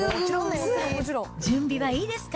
準備はいいですか？